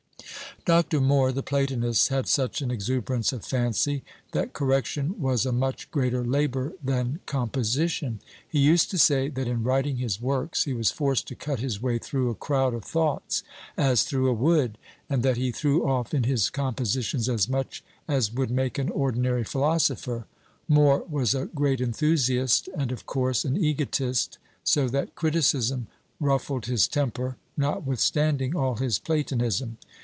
Dr. More, the Platonist, had such an exuberance of fancy, that correction was a much greater labour than composition. He used to say, that in writing his works, he was forced to cut his way through a crowd of thoughts as through a wood, and that he threw off in his compositions as much as would make an ordinary philosopher. More was a great enthusiast, and, of course, an egotist, so that criticism ruffled his temper, notwithstanding all his Platonism.